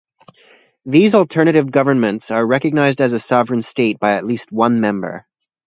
These alternative governments are recognised as a sovereign state by at least one member.